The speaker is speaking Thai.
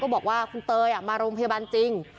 บอกว่าคุณเตยมาโรงพยาบาลจริง